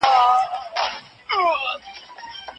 د ژوند هري لحظه فرصت لري.